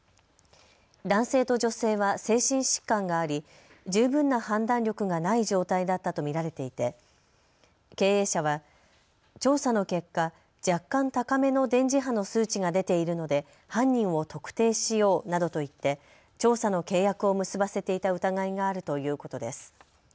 男性と女性は精神疾患があり十分な判断力がない状態だったと見られていて経営者は、調査の結果、若干高めの電磁波の数値が出ているので犯人を特定しようなどと言って調査の契約を結ばせていた疑いがあるということです。